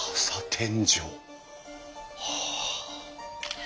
はあ。